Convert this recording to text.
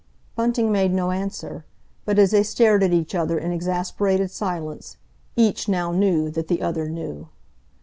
Bunting made no answer; but, as they stared at each other in exasperated silence, each now knew that the other knew.